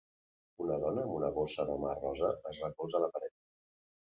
Una dona amb una bossa de mà rosa es recolza a la paret.